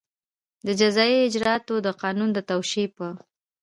د جزایي اجراآتو د قانون د توشېح په